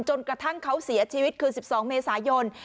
จนกระทั่งเขาเสียชีวิตคือ๑๒เมษายน